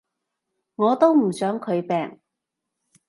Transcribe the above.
我都唔想佢病